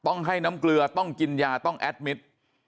ต้องให้น้ำเกลือต้องกินยาต้องแอดมิตร